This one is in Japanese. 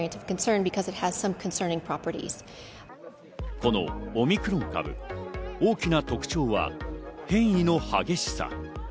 このオミクロン株、大きな特徴は変異の激しさ。